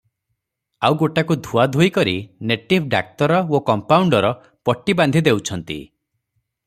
ଆଉ ଗୋଟାକୁ ଧୁଆଧୋଇ କରି ନେଟିଭ ଡାକ୍ତର ଓ କମ୍ପାଉଣ୍ତର ପଟି ବାନ୍ଧିଦେଉଛନ୍ତି ।